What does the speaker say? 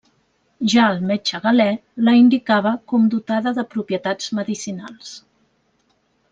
Ja el metge Galè la indicava com dotada de propietats medicinals.